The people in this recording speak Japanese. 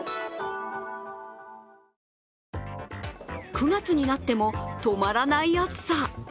９月になっても止まらない暑さ。